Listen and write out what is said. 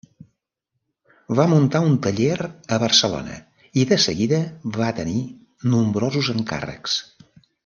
Va muntar un taller a Barcelona i de seguida va tenir nombrosos encàrrecs.